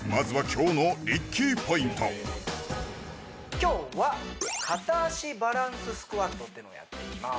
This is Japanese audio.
今日は片脚バランススクワットっていうのをやっていきます